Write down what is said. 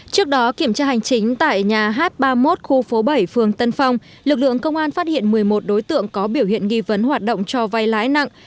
trước đó kiểm tra hành chính tại nhà h ba mươi một khu phố bảy phường tân phong lực lượng công an phát hiện một mươi một đối tượng có biểu hiện nghi vấn hoạt động cho vay lãi nặng